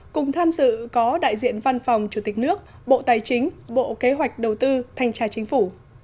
cùng tham dự có đại diện văn phòng chủ tịch nước bộ tài chính bộ kế hoạch đầu tư thanh tra chính phủ